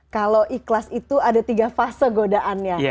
kalau ikhlas itu ada tiga fase godaannya